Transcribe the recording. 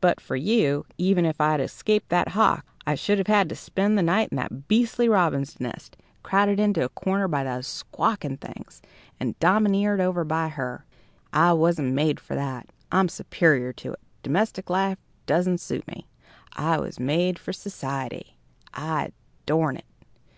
But for you, even if I'd escaped that hawk, I should have had to spend the night in that beastly robin's nest, crowded into a corner by those squawking things, and domineered over by her! I wasn't made for that! I'm superior to it. Domestic life doesn't suit me. I was made for society. I adorn it.